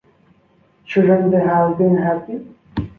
Shouldn’t they have been happy?